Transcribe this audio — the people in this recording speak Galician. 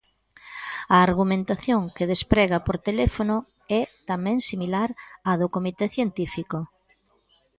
A argumentación que desprega por teléfono é tamén similar á do Comité Científico.